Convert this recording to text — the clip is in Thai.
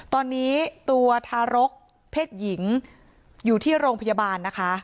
ตอนนี้ตัวทารกเพศหญิงอยู่ที่โรงพยาบาลนะคะ